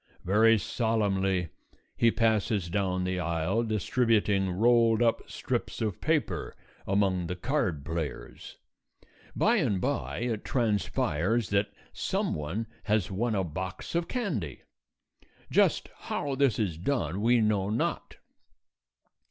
Very solemnly he passes down the aisle distributing rolled up strips of paper among the card players. By and by it transpires that some one has won a box of candy. Just how this is done we know not.